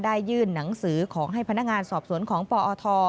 ยื่นหนังสือของให้พนักงานสอบสวนของปอท